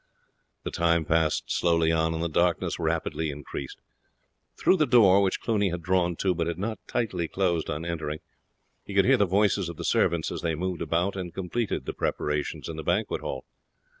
The time passed slowly on, and the darkness rapidly increased. Through the door, which Cluny had drawn to but had not tightly closed on entering, he could hear the voices of the servants as they moved about and completed the preparations in the banquet hall.